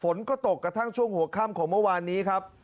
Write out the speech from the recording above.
ฝนก็ตกกระทั่งช่วงหัวค่ำของเมื่อวานนี้ครับ